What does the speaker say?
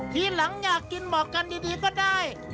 ทีหลังอยากกินเหมาะกันดีก็ได้